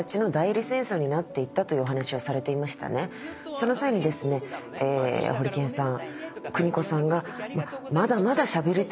その際にですねホリケンさん。